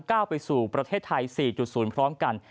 ก้าวไปสู่ประเทศไทย๔๐พร้อมกัน